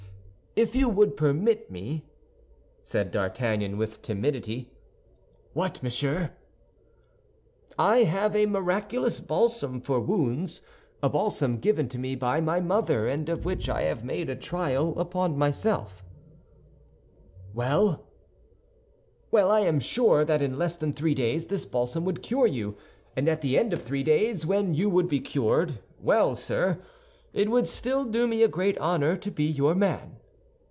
"If you would permit me—" said D'Artagnan, with timidity. "What, monsieur?" "I have a miraculous balsam for wounds—a balsam given to me by my mother and of which I have made a trial upon myself." "Well?" "Well, I am sure that in less than three days this balsam would cure you; and at the end of three days, when you would be cured—well, sir, it would still do me a great honor to be your man."